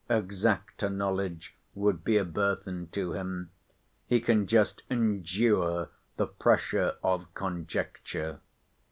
Exacter knowledge would be a burthen to him: he can just endure the pressure of conjecture.